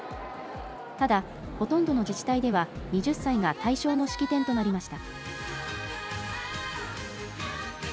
ただ、ほとんどの自治体では、２０歳が対象の式典となりました。